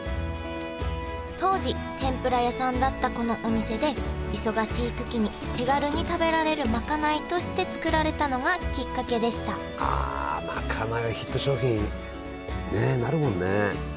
当時天ぷら屋さんだったこのお店で忙しいときに手軽に食べられるまかないとして作られたのがきっかけでしたあまかないはヒット商品ねえなるもんね。